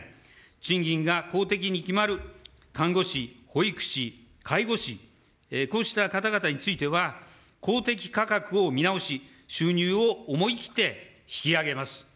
賃金が公的に決まる看護師、保育士、介護士、こうした方々については、公的価格を見直し、収入を思い切って引き上げます。